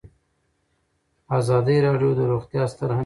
ازادي راډیو د روغتیا ستر اهميت تشریح کړی.